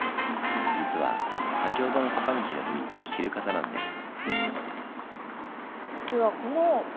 実は先ほどの坂道の秘密を知る方なんです。